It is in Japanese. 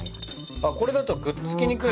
あこれだとくっつきにくい。